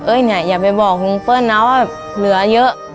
เนี่ยอย่าไปบอกลุงเปิ้ลนะว่าเหลือเยอะ